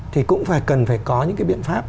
thì cũng cần phải có những cái biện pháp